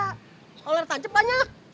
kalau ada tanjep banyak